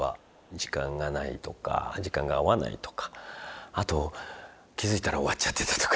時間がないとか時間が合わないとかあと気付いたら終わっちゃってたとか。